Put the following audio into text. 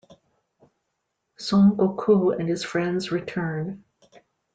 Son Goku and His Friends Return!!